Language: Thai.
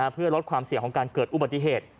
เพื่อลดความเสี่ยงของการเกิดอุบัติเหตุ